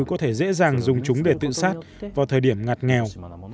có thể dễ dàng dùng chúng để tự sát vào thời điểm ngặt nghèo